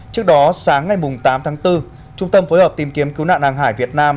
trước đó sáng ngày tám tháng bốn trung tâm phối hợp tìm kiếm cứu nạn hàng hải việt nam